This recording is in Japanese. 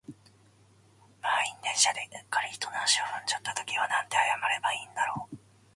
満員電車で、うっかり人の足を踏んじゃった時はなんて謝ればいいんだろう。